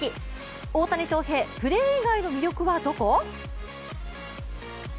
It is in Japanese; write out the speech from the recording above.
大谷翔平、プレー以外の魅力はどこ？